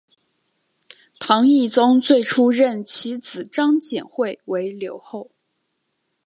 唐懿宗最初任其子张简会为留后。